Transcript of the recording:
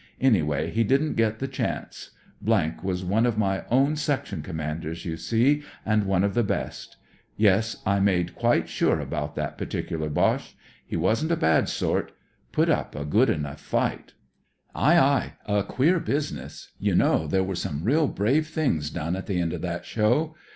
Anyway, he didn't get the chance. was one of my own section commanders, you see, and one of the best. Yes, I made quite sure about that particular Boche. He wasn't a bad sort ; put up a good enough fight." 80 THE DEVIL'S WOOD 1^ " Aye, aye, a queer business. You know there were some real brave things done at the end of that show.